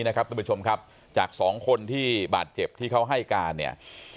นะครับคุณผู้ชมครับจาก๒คนที่บาทเจ็บที่เขาให้การเนี่ย